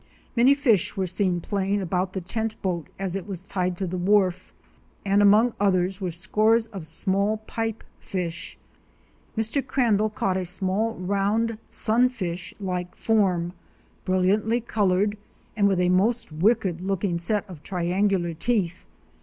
Many fish were seen playing about the tent boat as it was tied to the wharf, and among others were scores of small pipe fish. Mr. Crandall caught a small round sun fish like form, brilliantly colored and with a most wicked looking set of triangular teeth.